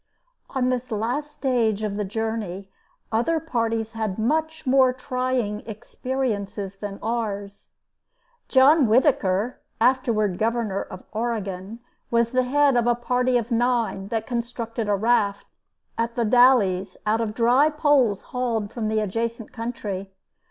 On this last stage of the journey other parties had much more trying experiences than ours. John Whitacre, afterward governor of Oregon, was the head of a party of nine that constructed a raft at The Dalles out of dry poles hauled from the adjacent country.